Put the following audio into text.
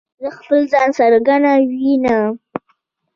زه خپل ځان څرنګه وینم؟